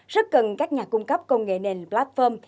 rất cần các nhà cung cấp công nghệ nền platform